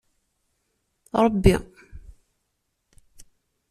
Ṛebbi.